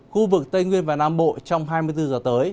khu vực tây nguyên và nam bộ trong hai mươi bốn giờ tới